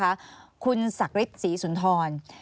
อันดับ๖๓๕จัดใช้วิจิตร